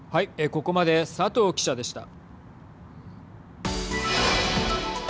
ここまで佐藤記者でした。